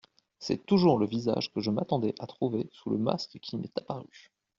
C'est toujours le visage que je m'attendais à trouver sous le masque qui m'est apparu.